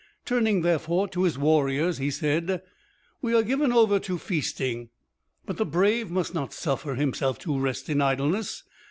Turning, therefore, to his warriors, he said: "We are given over to feasting; but the brave must not suffer himself to rest in idleness.